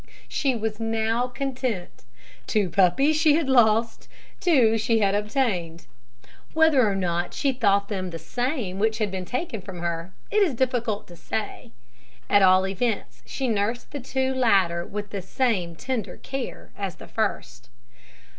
She was now content. Two puppies she had lost, two she had obtained. Whether or not she thought them the same which had been taken from her, it is difficult to say. At all events, she nursed the two latter with the same tender care as the first.